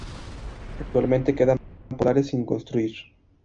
Actualmente quedan pocos solares sin construir.